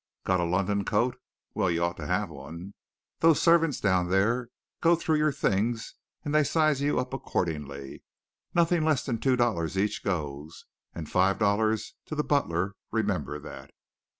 Got a London coat? Well, you ought to have one. Those servants down there go through your things and they size you up accordingly. Nothing less than two dollars each goes, and five dollars to the butler, remember that."